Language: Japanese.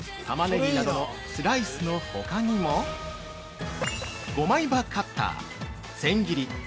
タマネギなどのスライスのほかにも「５枚刃カッター」「千切り」